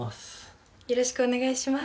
よろしくお願いします。